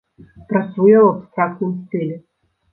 Працуе ў абстрактным стылі.